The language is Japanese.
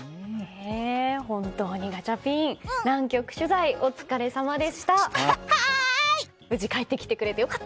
本当にガチャピン南極取材お疲れさまでした。